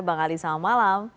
bang ali selamat malam